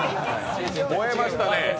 燃えましたね